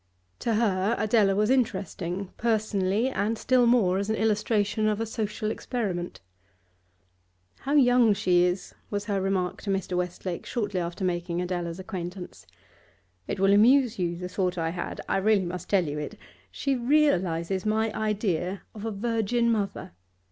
To her Adela was interesting, personally and still more as an illustration of a social experiment. 'How young she is!' was her remark to Mr. Westlake shortly after making Adela's acquaintance. 'It will amuse you, the thought I had; I really must tell it you. She realises my idea of a virgin mother.